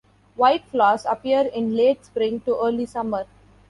White flowers appear in late spring to early summer.